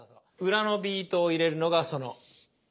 裏のビートを入れるのがその部分ね。